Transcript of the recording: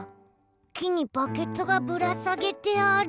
きにバケツがぶらさげてある。